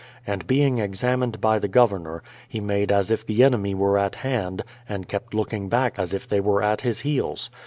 And being examined by the Governor, he made as if the enemy were at hand, and kept looking back as if they were at his heels.